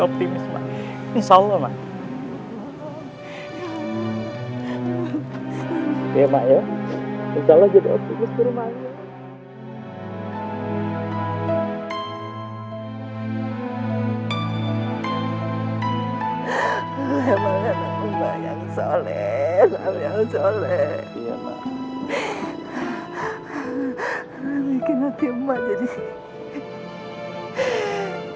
optimis insyaallah ya mak ya insyaallah jadi optimis